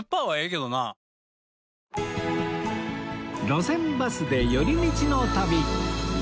『路線バスで寄り道の旅』